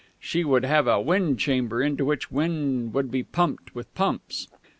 She would have a wind chamber, into which wind would be pumped with pumps....